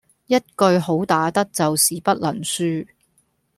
一句好打得就是不能輸